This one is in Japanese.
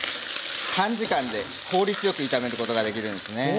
短時間で効率よく炒めることができるんですね。